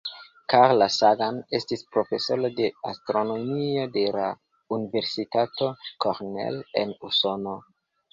Carl Sagan estis profesoro de astronomio de la Universitato Cornell en Usono.